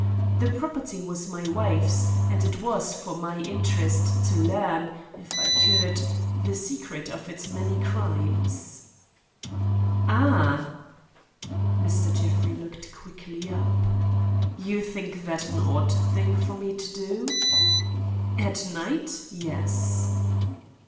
The property was my wife's, and it was for my interest to learn, if I could, the secret of its many crimes." "Ah!" Mr. Jeffrey looked quickly up. "You think that an odd thing for me to do?" "At night. Yes."